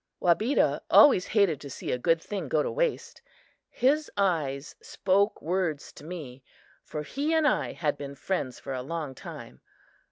Wabeda always hated to see a good thing go to waste. His eyes spoke words to me, for he and I had been friends for a long time.